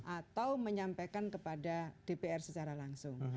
atau menyampaikan kepada dpr secara langsung